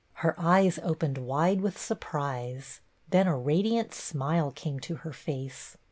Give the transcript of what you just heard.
Her eyes opened wide with surprise ; then a radiant smile came to her face.